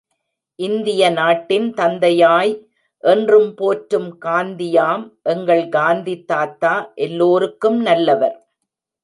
இந்திய நாட்டின் தந்தையாய் என்றும் போற்றும் காந்தியாம் எங்கள் காந்தி தாத்தா எல்லோருக்கும் நல்லவர்.